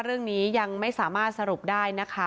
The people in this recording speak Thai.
เรื่องนี้ยังไม่สามารถสรุปได้นะคะ